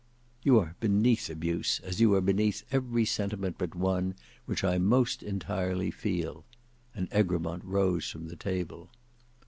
"You are beneath abuse, as you are beneath every sentiment but one, which I most entirely feel," and Egremont rose from the table.